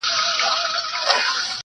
و مُلا ته، و پاچا ته او سره یې تر غلامه.